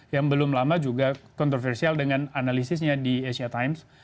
yang belum lama juga kontroversial dengan analisisnya di asia times